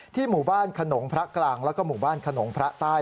หมู่บ้านขนงพระกลางแล้วก็หมู่บ้านขนมพระใต้